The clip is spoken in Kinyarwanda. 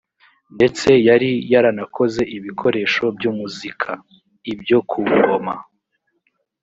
ndetse yari yaranakoze ibikoresho by’umuzika.ibyo ku ngoma